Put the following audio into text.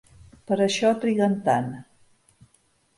Per això triguen tant.